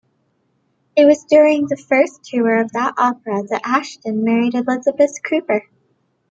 It was during the first tour of that opera that Ashton married Elizabeth Cooper.